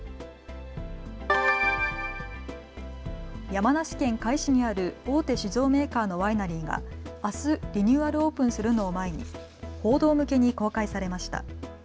山梨県甲斐市にある大手酒造メーカーのワイナリーがあすリニューアルオープンするのを前に報道向けに公開されました。